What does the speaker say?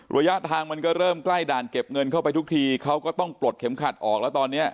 ระยะทางมันก็เริ่มใกล้ด่านเก็บเงินเข้าไปทุกทีเขาก็ต้องปลดเข็มขัดออกแล้วตอนนี้